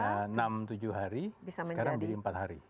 yang tadinya enam tujuh hari sekarang menjadi empat hari